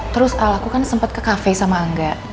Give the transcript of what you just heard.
terus aku kan sempat ke cafe sama angga